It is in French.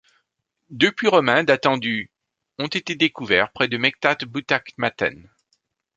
Deux puits romains datant du ont été découverts près de Mechtat Boutakhmaten.